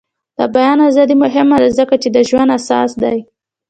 د بیان ازادي مهمه ده ځکه چې د ژوند اساس دی.